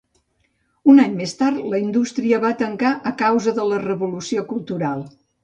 Un any més tard, la indústria va tancar a causa de la Revolució Cultural.